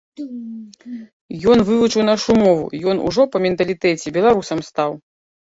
Ён вывучыў нашу мову, ён ужо па менталітэце беларусам стаў.